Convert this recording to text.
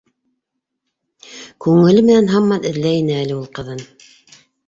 Күңеле менән һаман эҙләй ине әле ул ҡыҙын.